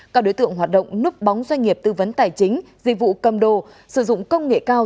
các đối tượng hoạt động núp bóng doanh nghiệp tư vấn tài chính dịch vụ cầm đồ sử dụng công nghệ cao